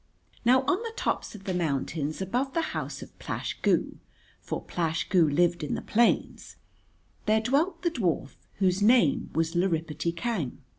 Now on the tops of the mountains above the house of Plash Goo, for Plash Goo lived in the plains, there dwelt the dwarf whose name was Lrippity Kang.